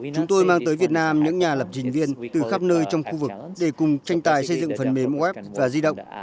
chúng tôi mang tới việt nam những nhà lập trình viên từ khắp nơi trong khu vực để cùng tranh tài xây dựng phần mềm web và di động